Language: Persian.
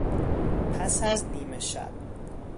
پس از نیمه شب